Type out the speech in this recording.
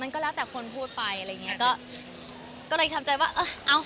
ก็เลยคิดว่าเอ้อเอา